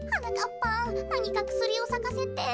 ぱんなにかくすりをさかせて。